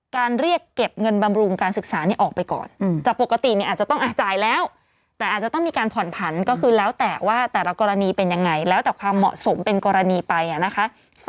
เรียกเก็บเงินบำรุงการศึกษานี้ออกไปก่อนจากปกติเนี่ยอาจจะต้องจ่ายแล้วแต่อาจจะต้องมีการผ่อนผันก็คือแล้วแต่ว่าแต่ละกรณีเป็นยังไงแล้วแต่ความเหมาะสมเป็นกรณีไปนะคะ